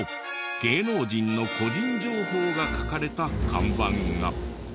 芸能人の個人情報が書かれた看板が。